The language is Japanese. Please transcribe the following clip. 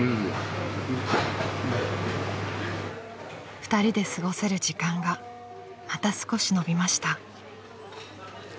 ［２人で過ごせる時間がまた少し延びました］